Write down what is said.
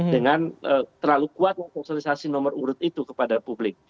dengan terlalu kuat sosialisasi nomor urut itu kepada publik